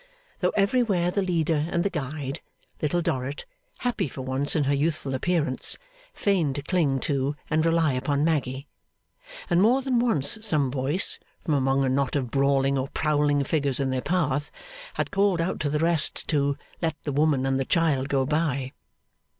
Though everywhere the leader and the guide, Little Dorrit, happy for once in her youthful appearance, feigned to cling to and rely upon Maggy. And more than once some voice, from among a knot of brawling or prowling figures in their path, had called out to the rest to 'let the woman and the child go by!